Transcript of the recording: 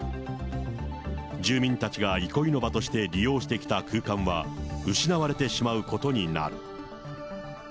住民たちが憩いの場として利用してきた空間は失われてしまうことになる。